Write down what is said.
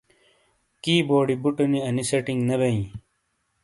کی بورڈی بُٹونی انی سیٹنگ نے بیئیں۔